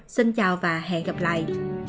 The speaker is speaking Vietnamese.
xin chào và hẹn gặp lại